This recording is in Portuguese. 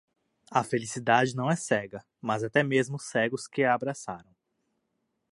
A felicidade não é cega, mas até mesmo os cegos que a abraçaram.